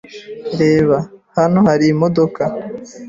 Reba! Hano hari imodoka.